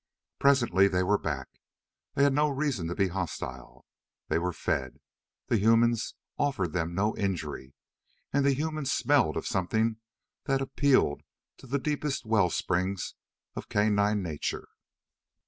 Presently they were back. They had no reason to be hostile. They were fed. The humans offered them no injury, and the humans smelled of something that appealed to the deepest well springs of canine nature.